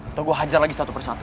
atau gue hajar lagi satu persatu